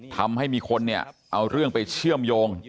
ทำให้มีคนเนี่ยเอาเรื่องไปเชื่อมโยง